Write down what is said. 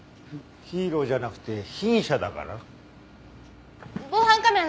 ヒーローじゃなくて被疑者だからな。